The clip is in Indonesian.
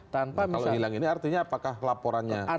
kalau hilang ini artinya apakah laporannya semakin transparan